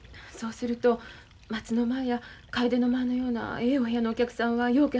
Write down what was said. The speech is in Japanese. そうすると松の間や楓の間のようなええお部屋のお客さんはよ